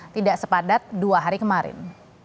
tidak sepadat dua hari kemarin